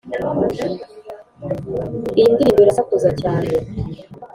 iyi ndirimbo irasakuza cyane